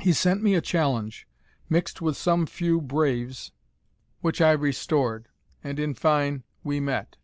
He sent me a challenge, mixt with some few braves, which I restored; and, in fine, we met.